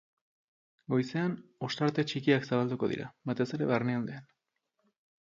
Goizean, ostarte txikiak zabalduko dira, batez ere barnealdean.